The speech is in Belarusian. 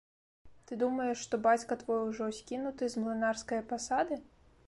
Ты думаеш, што бацька твой ужо скінуты з млынарскае пасады?